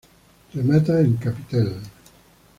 Remata en capitel.